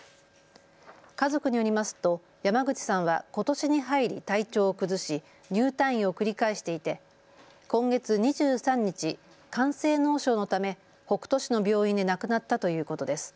家族によりますと、山口さんはことしに入り体調を崩し入退院を繰り返していて今月２３日、肝性脳症のため北杜市の病院で亡くなったということです。